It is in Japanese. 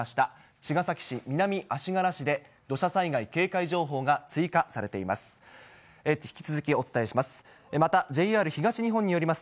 茅ケ崎市、南足柄市で土砂災害警戒情報が追加されています。